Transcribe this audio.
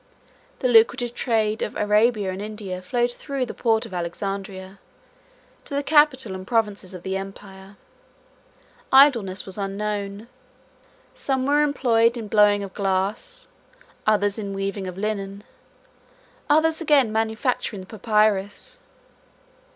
171 The lucrative trade of Arabia and India flowed through the port of Alexandria, to the capital and provinces of the empire. 1711 Idleness was unknown. Some were employed in blowing of glass, others in weaving of linen, others again manufacturing the papyrus.